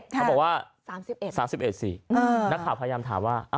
เขาบอกว่า๓๑๓๑สินักข่าวพยายามถามว่า